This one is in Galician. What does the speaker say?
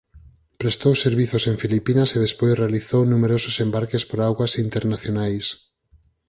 Prestou servizos en Filipinas e despois realizou numerosos embarques por augas internacionais.